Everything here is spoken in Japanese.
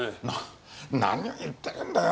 何を言ってるんだよ。